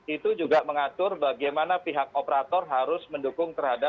itu juga mengatur bagaimana pihak operator harus mendukung terhadap pencegahan covid sembilan belas